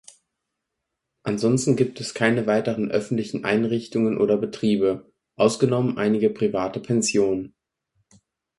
Ansonsten gibt es keine weiteren öffentlichen Einrichtungen oder Betriebe; ausgenommen einige private Pensionen.